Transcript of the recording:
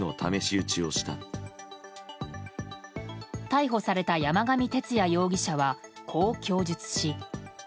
逮捕された山上徹也容疑者はこう供述し。